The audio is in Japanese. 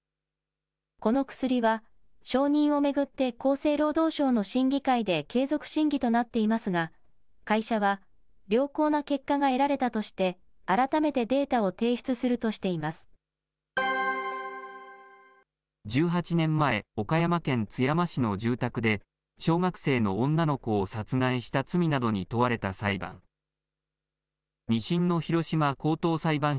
この薬は、承認を巡って、厚生労働省の審議会で継続審議となっていますが、会社は良好な結果が得られたとして、改めてデータを提出するとし１８年前、岡山県津山市の住宅で、小学生の女の子を殺害した罪などに問われた裁判。